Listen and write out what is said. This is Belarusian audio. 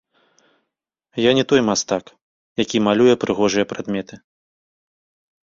Я не той мастак, які малюе прыгожыя прадметы.